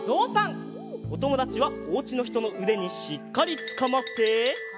おともだちはおうちのひとのうでにしっかりつかまって！